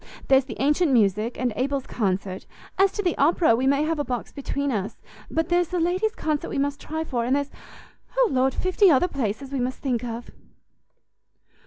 There's the ancient music, and Abel's concert; as to the opera, we may have a box between us; but there's the ladies' concert we must try for; and there's O Lord, fifty other places we must think of!"